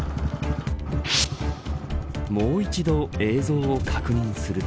もう一度、映像を確認すると。